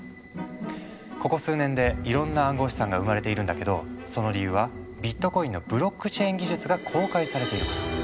ここ数年でいろんな暗号資産が生まれているんだけどその理由はビットコインのブロックチェーン技術が公開されているから。